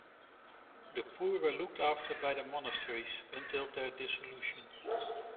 The poor were looked after by the monasteries, until their dissolution.